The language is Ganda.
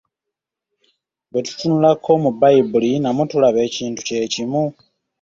Bwe tutunulako mu Bbayibuli, namwo tulaba ekintu kye kimu.